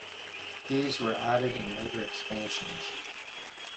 These were added in later expansions.